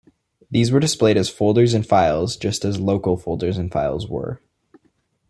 These were displayed as folders and files just as local folders and files were.